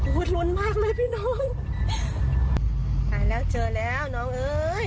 หูยหุดหลุนมากเลยพี่น้องหายแล้วเจอแล้วน้องเอ๋ย